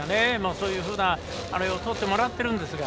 そういうふうな、あれをとってもらっていますが。